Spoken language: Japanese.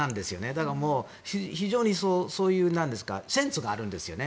だから、非常にそういうセンスがあるんですよね。